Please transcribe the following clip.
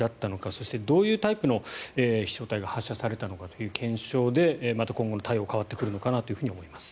そしてどういうタイプの飛翔体が発射されたのかという検証でまた今後の対応が変わってくるのかなと思います。